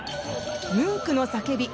「ムンクの叫び」